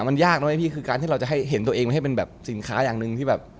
มันยากนะพี่คือการที่เราจะให้เห็นตัวเองให้เป็นแบบสินค้าอย่างหนึ่งที่แบบ